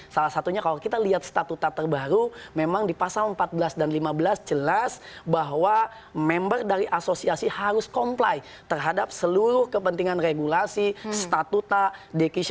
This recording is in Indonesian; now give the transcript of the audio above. salah satunya kalau kita lihat statuta terbaru memang di pasal empat belas dan lima belas jelas bahwa member dari asosiasi harus comply terhadap seluruh kepentingan regulasi statuta